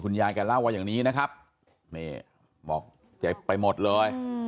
คุณยายแล้วว่าอย่างนี้นะครับบอกแกไปหมดเลย